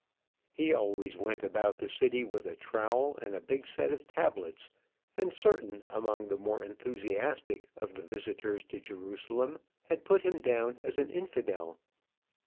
He always went about the city with a trowel and a big set of tablets; and certain among the more enthusiastic of the visitors to Jerusalem had put him down as an infidel.